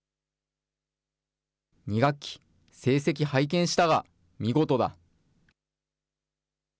二学期、成績拝見したが見事だ。